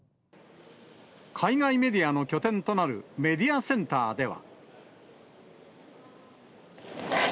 海外メディアの拠点となるメディアセンターでは。